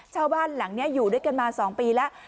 ชาวบ้านหลังนี้อยู่ด้วยกันมา๒ปีแล้ว